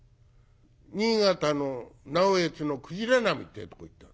新潟の直江津の鯨波っていうとこ行った。